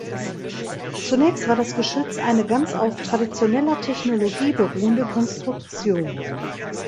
Zunächst war das Geschütz eine ganz auf traditioneller Technologie beruhende Konstruktion.